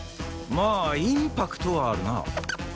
まあインパクトはあるな。